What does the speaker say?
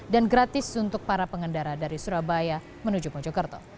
dan gratis untuk para pengendara dari surabaya menuju mojokerto